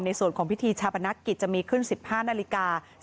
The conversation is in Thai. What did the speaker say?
ในส่วนของพิธีชาปนกิจจะมีขึ้น๑๕นาฬิกา